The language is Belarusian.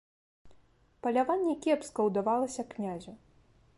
Паляванне кепска ўдавалася князю.